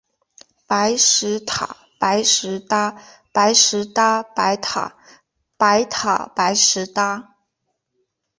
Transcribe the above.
白石塔，白石搭。白石搭白塔，白塔白石搭